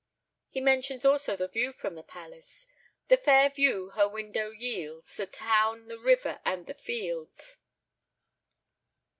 He mentions also the view from the palace: "The fair view her window yields, The town, the river, and the fields."